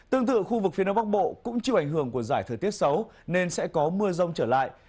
tương tự khu vực phía đông bắc bộ cũng chịu ảnh hưởng của giải thời tiết xấu nên sẽ có mưa rông trở lại